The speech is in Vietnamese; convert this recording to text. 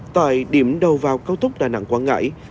tại điểm đầu vào cao tốc đà nẵng quảng ngãi